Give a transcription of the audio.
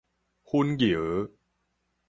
粉蟯